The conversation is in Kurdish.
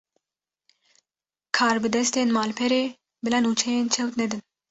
Karbidestên malperê, bila nûçeyên çewt nedin